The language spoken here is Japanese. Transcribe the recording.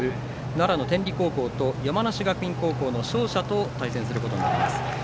奈良の天理高校と山梨学院高校の勝者と対戦することになります。